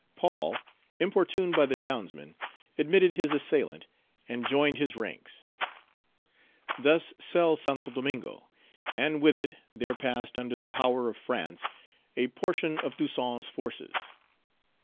Paul, importuned by the townsmen, admitted his assailant, and joined his ranks. Thus sell Santo Domingo, and with it there passed under the power of France a portion of Toussaint's forces.